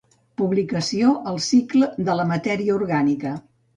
Publicació "El cicle de la matèria orgànica"